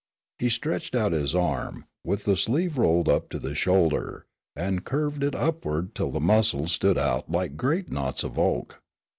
He stretched out his arm, with the sleeve rolled to the shoulder, and curved it upward till the muscles stood out like great knots of oak.